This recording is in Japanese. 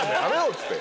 っつって。